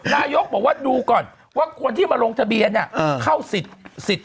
นายกบอกว่าดูก่อนว่าคนที่มาลงทะเบียนเข้าสิทธิ์